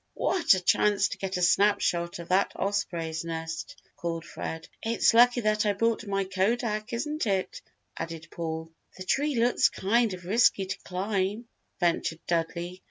What a chance to get a snapshot of that osprey's nest," called Fred. "It's lucky that I brought my kodak, isn't it?" added Paul. "The tree looks kind of risky to climb," ventured Dudley.